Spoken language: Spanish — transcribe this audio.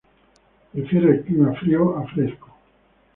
Prefiere el clima frío a fresco.